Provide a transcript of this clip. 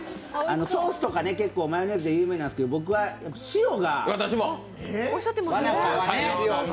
ソースとかマヨネーズで有名なんですけど、僕は塩が。